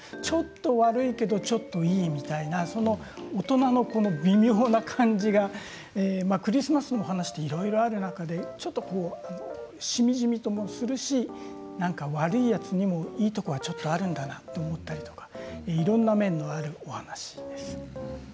ちょっと悪いけどちょっといいみたいな大人の微妙な感じがクリスマスのお話っていろいろある中で、ちょっとしみじみともするし悪いやつにもいいところが少しあるんだなと思ったりいろんな面のある話です。